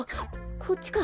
こっちか？